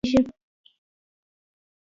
ایا ستاسو ګام به نه لړزیږي؟